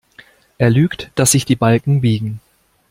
Er lügt, dass sich die Balken biegen.